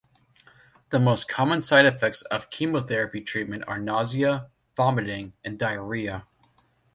The most common side-effects of chemotherapy treatment are nausea, vomiting and diarrhea.